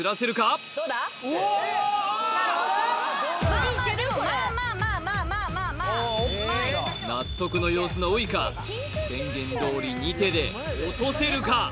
まあまあでもまあまあまあまあ納得の様子のウイカ宣言通り二手で落とせるか？